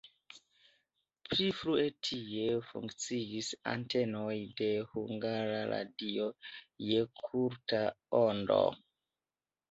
Pli frue tie funkciis antenoj de Hungara Radio je kurta ondo.